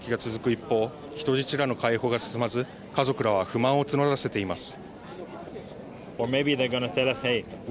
一方人質らの解放が進まず家族らは不満を募らせています。